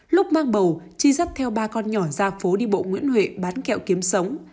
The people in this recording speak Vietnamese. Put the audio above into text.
lúc mang bầu chi dắt theo ba con nhỏ ra phố đi bộ nguyễn huệ bán kẹo kiếm sống